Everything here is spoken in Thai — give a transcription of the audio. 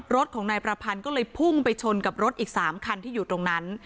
รถของนายประพันธ์ก็เลยพุ่งไปชนกับรถอีก๓คันที่อยู่ตรงนั้น